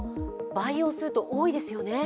培養すると多いですよね。